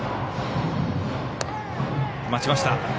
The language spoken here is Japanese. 待ちました。